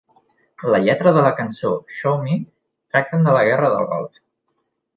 La lletra de la cançó "Show Me" tracten de la Guerra del Golf.